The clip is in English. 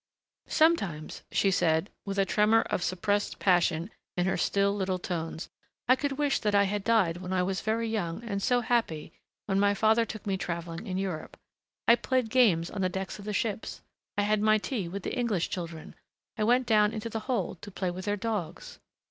Sometimes," she said, with a tremor of suppressed passion in her still little tones, "I could wish that I had died when I was very young and so happy when my father took me traveling in Europe.... I played games on the decks of the ships ... I had my tea with the English children.... I went down into the hold to play with their dogs..."